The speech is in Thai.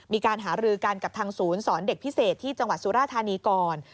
มีการหารือกันกับทางศูนย์สอนเด็กพิเศษที่จังหวัดสุราธานีก่อน